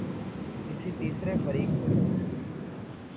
کسی تیسرے فریق پہ۔